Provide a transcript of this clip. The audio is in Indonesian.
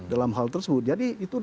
dalam hal tersebut jadi itu